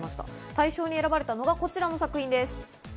大賞に選ばれたのがこちらの作品です。